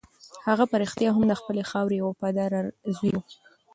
هغه په رښتیا هم د خپلې خاورې یو وفادار زوی و.